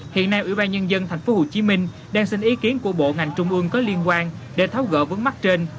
hiện nay ủy ban nhân dân tp hcm đang xin ý kiến của bộ ngành trung ương có liên quan để tháo gỡ vấn mắc trên